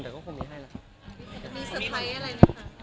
แต่คงมีให้แล้ว